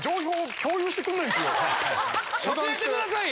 教えてくださいよ。